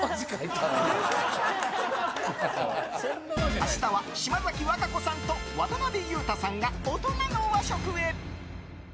明日は島崎和歌子さんと渡辺裕太さんが大人の和食へ。